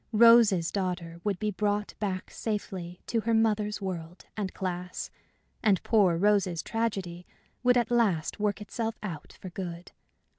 Rose's daughter would be brought back safely to her mother's world and class, and poor Rose's tragedy would at last work itself out for good.